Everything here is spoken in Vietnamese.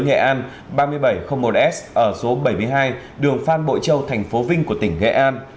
nghệ an ba nghìn bảy trăm linh một s ở số bảy mươi hai đường phan bội châu thành phố vinh của tỉnh nghệ an